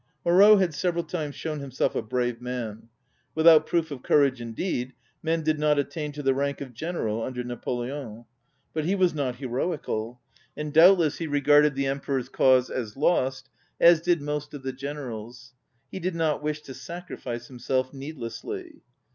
Moreau had several times shown himself a brave man. Without proof of courage indeed men did not attain to the rank of general under Napo leon. But he was not heroical, and doubtless he regarded the Emperor's cause as lost, as did most of the generals. He did not wish to sacri fice himself needlessly.